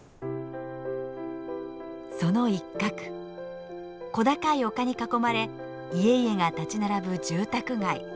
その一角小高い丘に囲まれ家々が立ち並ぶ住宅街。